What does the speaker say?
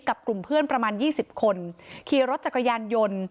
กับกลุ่มเพื่อนประมาณยี่สิบคนขี่รถจากกระยานยนต์